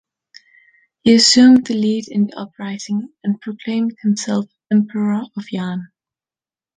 He assumed the lead in the uprising and proclaimed himself Emperor of Yan.